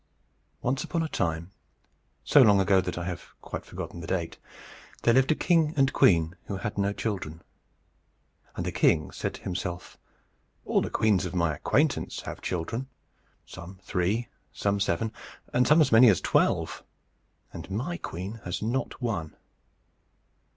Once upon a time, so long ago that I have quite forgotten the date, there lived a king and queen who had no children. And the king said to himself, "All the queens of my acquaintance have children, some three, some seven, and some as many as twelve; and my queen has not one.